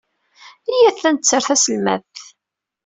Iyyat ad netter taselmadt.